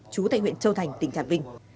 chú tại huyện châu thành tỉnh trà vinh